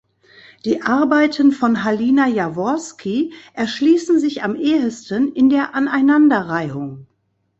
Die Arbeiten von Halina Jaworski erschließen sich am ehesten in der Aneinanderreihung.